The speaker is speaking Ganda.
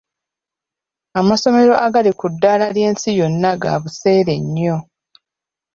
Amasomero agali ku ddaala ly'ensi yonna ga buseere nnyo.